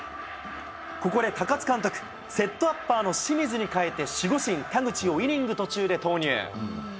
ここで高津監督、セットアッパーの清水に代えて、守護神、田口をイニング途中で投入。